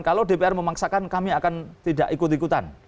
kalau dpr memaksakan kami akan tidak ikut ikutan